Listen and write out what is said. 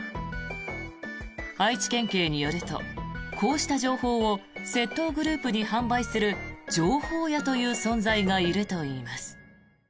愛知県警によるとこうした情報を窃盗グループに販売する情報屋という存在がいるといいます。